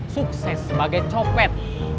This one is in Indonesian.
sukses sebagai copet